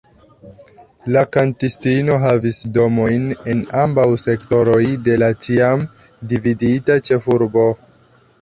La kantistino havis domojn en ambaŭ sektoroj de la tiam dividita ĉefurbo.